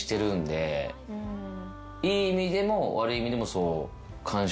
いい意味でも悪い意味でも。